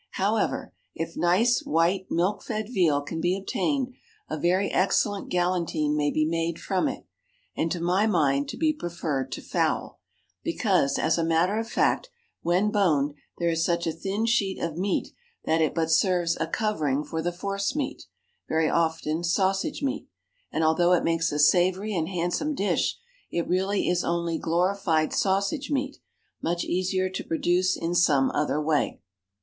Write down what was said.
However, if nice white milk fed veal can be obtained, a very excellent galantine may be made from it, and to my mind to be preferred to fowl, because, as a matter of fact, when boned there is such a thin sheet of meat that it but serves as a covering for the force meat (very often sausage meat), and although it makes a savory and handsome dish, it really is only glorified sausage meat, much easier to produce in some other way.